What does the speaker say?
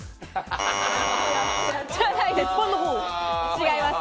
違います。